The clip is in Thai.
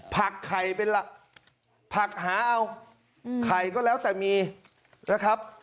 ผักไข่เป็นละผักหาเอาไข่ก็แล้วแต่มีนะครับ